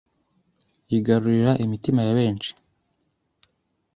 yigarurira imitima ya benshi